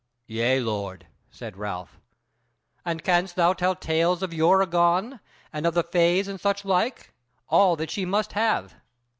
"Yea, lord," said Ralph. "And canst thou tell tales of yore agone, and of the fays and such like? All that she must have."